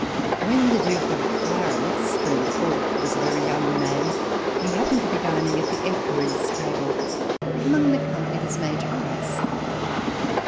When the Duke of Clarence (William the Fourth) was a very young man, he happened to be dining at the Equerries' table. Among the company was Major Price.